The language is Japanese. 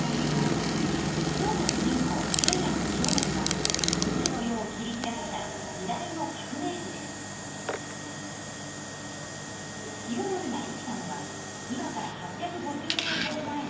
今日の主人公武士の世を切り開いた清盛が生きたのは今から８５０年ほど前の平安時代。